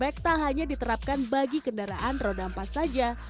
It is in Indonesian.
kini teknologi airbag tak hanya diterapkan bagi kendaraan roda empat saja